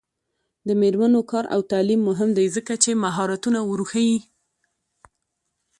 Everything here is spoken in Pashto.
د میرمنو کار او تعلیم مهم دی ځکه چې مهارتونه ورښيي.